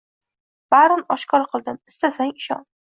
Barin oshkor qildim, istasang ishon